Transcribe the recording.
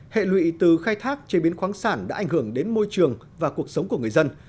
hệ lụy từ khai thác chế biến khoáng sản đã ảnh hưởng đến môi trường và cuộc sống của người dân